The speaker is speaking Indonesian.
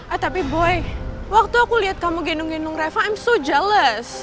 ah tapi boy waktu aku liat kamu gendong gendong reva i'm so jealous